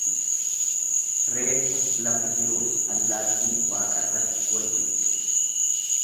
Reeffa lafa jiruuf allaattiin waaqarratti walfixxi.